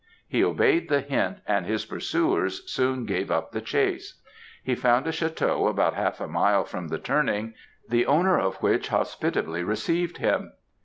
He obeyed the hint, and his pursuers soon gave up the chase. He found a château about half a mile from the turning; the owner of which hospitably received him.